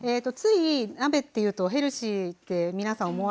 つい鍋っていうとヘルシーって皆さん